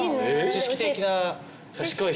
知識的な賢い人？